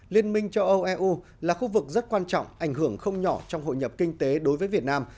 liên minh châu âu eu là khu vực rất quan trọng ảnh hưởng không nhỏ trong hội nhập kinh tế đối với việt nam